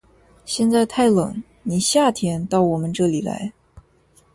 现在太冷，你夏天到我们这里来。